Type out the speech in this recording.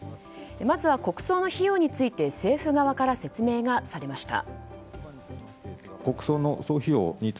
まず国葬の費用について政府側から説明がされました。